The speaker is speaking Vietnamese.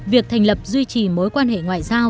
việc thành lập duy trì mối quan hệ ngoại giao